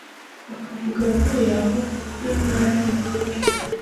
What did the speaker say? Akavuga avuye aho nyamara ari mu kuri.